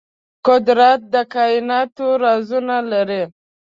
قدرت د کائناتو رازونه لري.